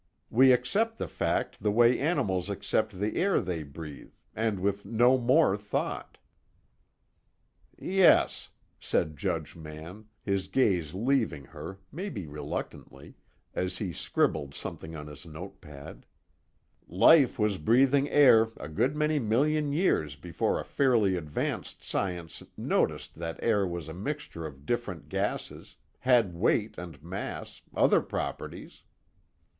We accept the fact the way animals accept the air they breathe, and with no more thought." "Yes," said Judge Mann, his gaze leaving her, maybe reluctantly, as he scribbled something on his note pad, "life was breathing air a good many million years before a fairly advanced science noticed that air was a mixture of different gases, had weight and mass, other properties.